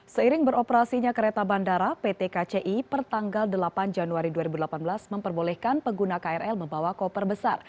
seiring beroperasinya kereta bandara pt kci pertanggal delapan januari dua ribu delapan belas memperbolehkan pengguna krl membawa koper besar